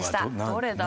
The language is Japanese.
どれだ？